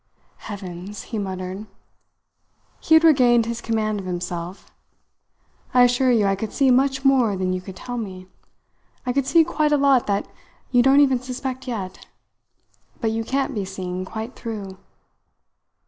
"Heavens!" he muttered. He had regained his command of himself. "I assure you I could see much more than you could tell me. I could see quite a lot that you don't even suspect yet, but you can't be seen quite through."